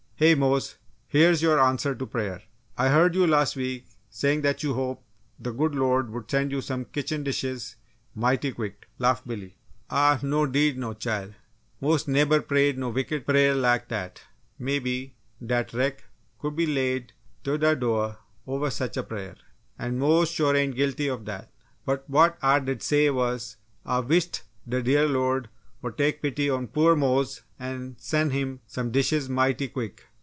"Hey, Mose! Here's your answer to prayer! I heard you, last week, saying that you hoped the good Lord would send you some kitchen dishes mighty quick!" laughed Billy. "Ah no 'deed no, chile! Mose neber prayed no wicked pray'r lak dat mebbe dat wreck coul' be laid t' de doah ov such a pray'r! And Mose sure ain't guilty of dat! But, what Ah did say was 'Ah wisht de dear Lord woul' take pity on poor Mose an' sen' him some dishes mighty quick!